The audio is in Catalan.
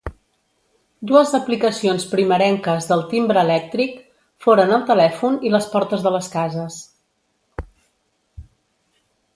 Dues aplicacions primerenques del timbre elèctric foren el telèfon i les portes de les cases.